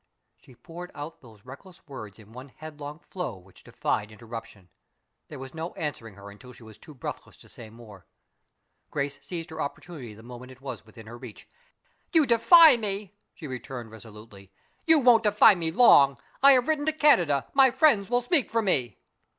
She poured out those reckless words in one headlong flow which defied interruption. There was no answering her until she was too breathless to say more. Grace seized her opportunity the moment it was within her reach. "You defy me?" she returned, resolutely. "You won't defy me long. I have written to Canada. My friends will speak for me."